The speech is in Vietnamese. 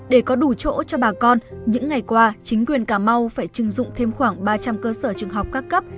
để có đủ chỗ cho bà con những ngày qua chính quyền cà mau phải chừng dụng thêm khoảng ba trăm linh cơ sở trường học các cấp